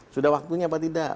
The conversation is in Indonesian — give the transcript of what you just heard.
sudah waktunya apa tidak